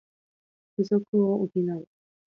不足を補う